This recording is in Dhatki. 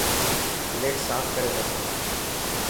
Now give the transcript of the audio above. پليٽ صاف ڪري رک.